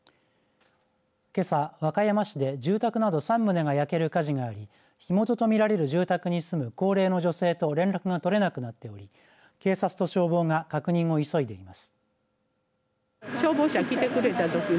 けさ、和歌山市で住宅など３棟が焼ける火事があり火元とみられる住宅に住む高齢の女性と連絡が取れなくなっており警察と消防が確認を急いでいます。